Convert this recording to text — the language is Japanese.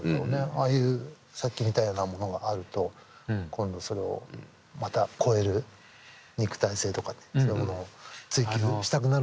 ああいうさっきみたいなものがあると今度それをまた超える肉体性とかねそういうものを追求したくなるものなんで。